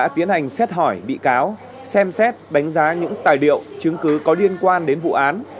tài liệu chứng cứ có liên quan đến vụ án